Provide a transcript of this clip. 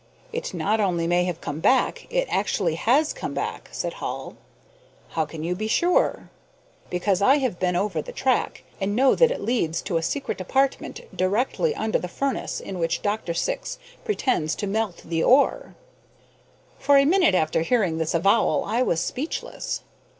"It not only may have come back, it actually has come back," said Hall. "How can you be sure?" "Because I have been over the track, and know that it leads to a secret apartment directly under the furnace in which Dr. Syx pretends to melt the ore!" For a minute after hearing this avowal I was speechless.